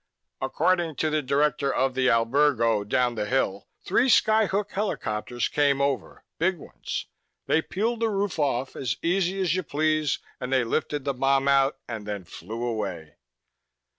According to the director of the albergo down the hill, three skyhook helicopters came over big ones. They peeled the roof off, as easy as you please, and they lifted the bomb out and then flew away."